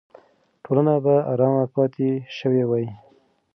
ټولنه به ارامه پاتې شوې وي.